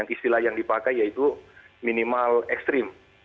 istilah yang dipakai yaitu minimal ekstrim